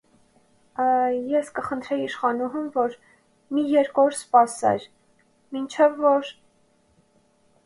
- Ես կխնդրեի իշխանուհուն, որ մի երկու օր սպասեր, մինչև որ…